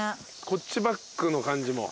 こっちバックの感じも。